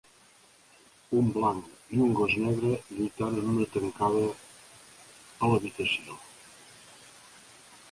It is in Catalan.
Un blanc i un gos negre lluitant en una tancada a l'habitació.